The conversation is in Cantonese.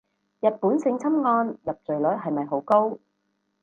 日本性侵案入罪率係咪好高